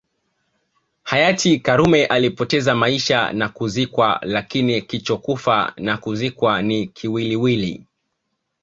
Hayati karume alipoteza maisha na kuzikwa lakini kichokufa na kuzikwa ni kiwiliwili